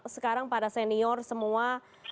sekarang para senior semua